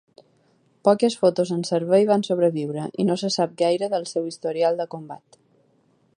Poques fotos en servei van sobreviure i no se sap gaire del seu historial de combat.